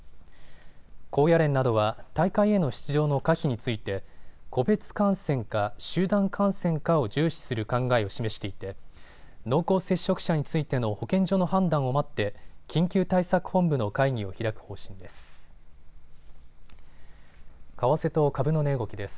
高野連などは大会への出場の可否について個別感染か集団感染かを重視する考えを示していて濃厚接触者についての保健所の判断を待って緊急対策本部の会議を開く方針です。